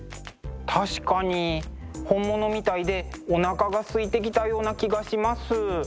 確かに本物みたいでおなかがすいてきたような気がします。